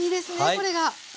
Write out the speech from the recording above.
これが。